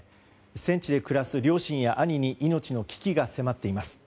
戦地で暮らす両親や兄に命の危機が迫っています。